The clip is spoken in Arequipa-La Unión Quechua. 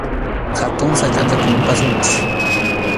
Hatun sachʼata kumpasunchik.